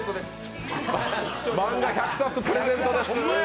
漫画１００冊プレゼントです。